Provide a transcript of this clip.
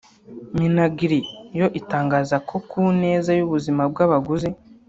Minagri yo itangaza ko ku neza y’ubuzima bw’abaguzi